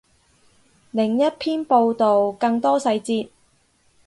另一篇报道，更多细节